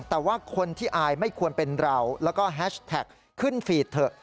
แต่ว่าคนที่อายไม่ควรเป็นเราแล้วก็แฮชแท็กขึ้นฟีดเถอะ